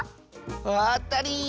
あったり！